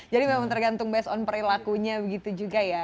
jadi memang tergantung based on perilakunya begitu juga ya